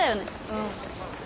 うん。